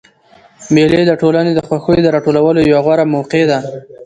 مېلې د ټولني د خوښیو د راټولولو یوه غوره موقع ده.